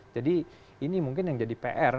jadi ini mungkin yang jadi pr